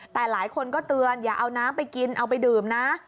แต่หลายคนก็เตือนอย่าเอาน้ำไปกินเอาไปดื่มนะ